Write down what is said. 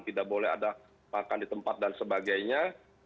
tidak boleh ada makan di tempat dan sebagainya